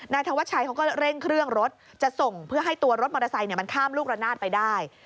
ธวัชชัยเขาก็เร่งเครื่องรถจะส่งเพื่อให้ตัวรถมอเตอร์ไซค์มันข้ามลูกระนาดไปได้